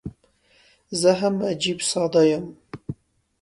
زه هم عجيب ساده یم.